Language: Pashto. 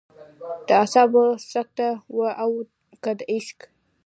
د اعصابو سکته وه او که د عشق.